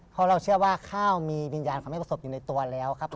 เพราะเราเชื่อว่าข้าวมีวิญญาณของไม่ประสบอยู่ในตัวแล้วครับผม